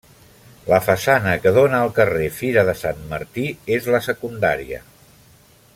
La façana que dóna al carrer Fira de Sant Martí és la secundària.